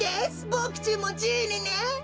ボクちんもじいにね。